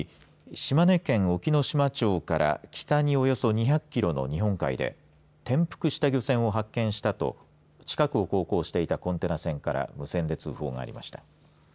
島根県隠岐の島町から北におよそ２００キロの日本海で転覆した漁船を発見したと近くを航行していたコンテナ船から無線で通報がありました。